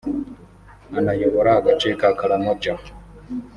unayobora agace ka Karamoja